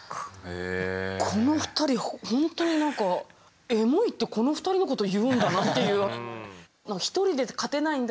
この２人ほんとに何かエモいってこの２人のことを言うんだなっていう。